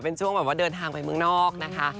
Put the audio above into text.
เป็นช่วงแบบว่าเดินทางไปเมืองนอกนะคะ